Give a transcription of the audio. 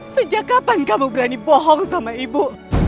sejak kapan kamu berani bohong sama ibu